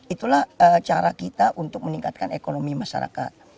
itulah cara kita untuk meningkatkan ekonomi masyarakat